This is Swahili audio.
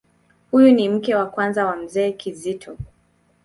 Huyu ni mke wa kwanza wa Mzee Kizito.